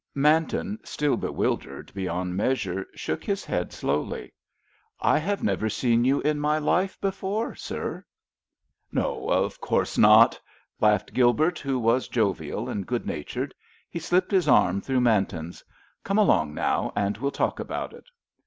Manton, still bewildered beyond measure, shook his head slowly. "I have never seen you in my life before, sir!" "No, of course not," laughed Gilbert, who was jovial and good natured. He slipped his arm through Manton's. "Come along now, and we'll talk about it!"